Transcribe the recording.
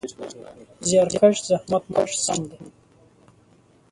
زیارکښ: زحمت کښ سم دی.